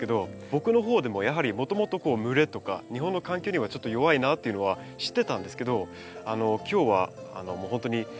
僕の方でもやはりもともと蒸れとか日本の環境にはちょっと弱いなっていうのは知ってたんですけど今日はほんとに何ですかね